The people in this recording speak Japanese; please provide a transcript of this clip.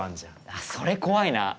あっそれ怖いなあ。